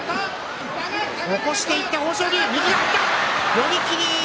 寄り切り。